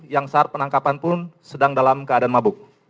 yang saat penangkapan pun sedang dalam keadaan mabuk